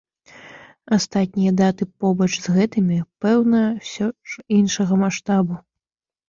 Астатнія даты побач з гэтымі, пэўна, усё ж іншага маштабу.